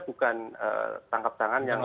bukan tangkap tangan yang